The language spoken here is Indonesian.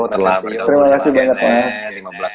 terima kasih banyak mas